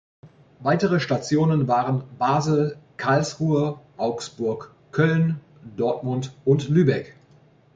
Weitere Stationen waren Basel, Karlsruhe, Augsburg, Köln, Dortmund und Lübeck.